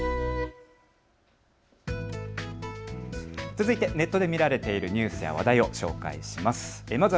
続いてネットで見られているニュースや話題を紹介します。